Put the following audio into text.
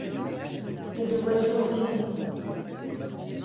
Les deux voitures ont fini.